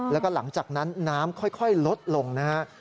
แล้วก็หลังจากนั้นน้ำค่อยลดลงนะครับ